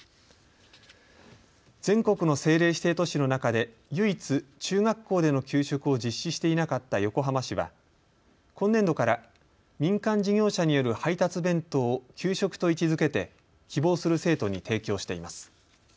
全国の政令指定都市の中で唯一、中学校での給食を実施していなかった横浜市は今年度から民間事業者による配達弁当を給食と位置づけて希望する生徒に提供しています。